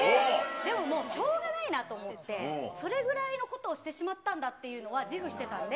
でも、もうしょうがないなと思って、それぐらいのことをしてしまったんだっていうのは、自負してたんで。